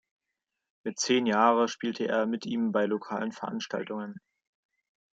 Mit zehn Jahre spielte er mit ihm bei lokalen Veranstaltungen.